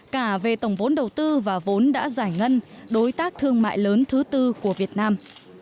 đối tác đầu tư và vốn đã giải ngân đối tác thương mại lớn thứ tư của việt nam